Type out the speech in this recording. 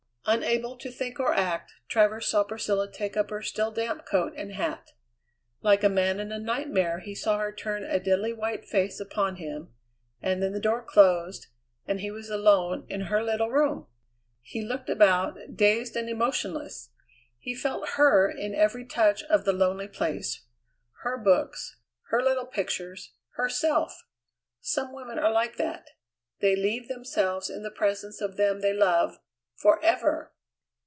Unable to think or act, Travers saw Priscilla take up her still damp coat and hat. Like a man in a nightmare he saw her turn a deadly white face upon him, and then the door closed and he was alone in her little room! He looked about, dazed and emotionless. He felt her in every touch of the lonely place; her books, her little pictures, herself! Some women are like that: they leave themselves in the presence of them they love forever!